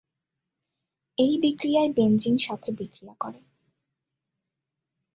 এই বিক্রিয়ায় বেনজিন সাথে বিক্রিয়া করে।